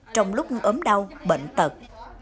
trong lúc ấm đau bệnh tật